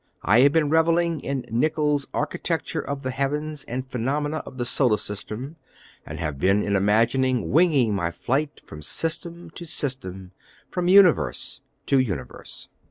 I have been revelling in Nichol's Architecture, of the Heavens and Phenomena of the Solar System, and have been in imagination winging my flight from system to system, from universe to universe."